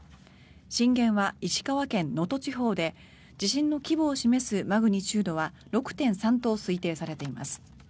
震源は石川県能登地方で地震の規模を示すマグニチュードは６．３と推定されています。